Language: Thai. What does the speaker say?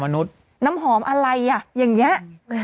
น้ำหอมอะไรอย่างเงี้ย